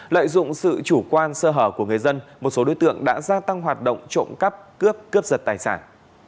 lợi dụng sự chủ quan sơ hở của người dân một số đối tượng đã gia tăng hoạt động trộm cắp cướp cướp giật tài sản